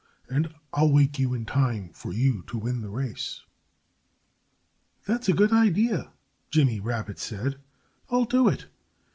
And I'll wake you in time for you to win the race." "That's a good idea," Jimmy Rabbit said. "I'll do it!"